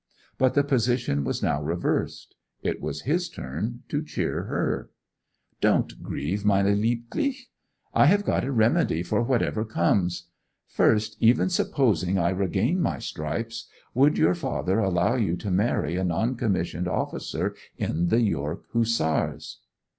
But the position was now reversed; it was his turn to cheer her. 'Don't grieve, meine Liebliche!' he said. 'I have got a remedy for whatever comes. First, even supposing I regain my stripes, would your father allow you to marry a non commissioned officer in the York Hussars?